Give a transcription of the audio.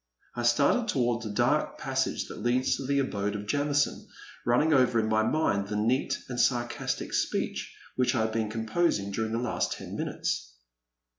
I started toward the dark passage that leads to the abode of Jamison, running over in my mind the neat and sarcastic speech which I had been composing during the last ten minutes.